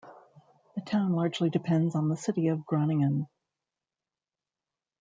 The town largely depends on the city of Groningen.